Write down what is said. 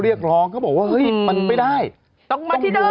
เรียกร้องเขาบอกว่าเฮ้ยมันไม่ได้ต้องมาที่ดู